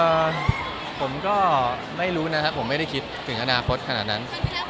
ผมก็ไม่รู้นะครับผมไม่ได้คิดถึงอนาคตขนาดนั้น